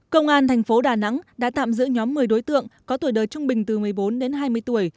công an thành phố đà nẵng đã tạm giữ nhóm một mươi đối tượng có tuổi đời trung bình từ một mươi bốn đến hai mươi tuổi